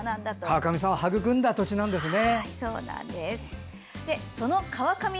川上さんをはぐくんだ土地なんですね。